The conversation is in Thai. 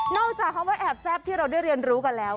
จากคำว่าแอบแซ่บที่เราได้เรียนรู้กันแล้ว